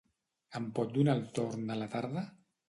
Em pot donar el torn de la tarda?